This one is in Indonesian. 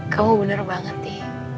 kamu benar banget ti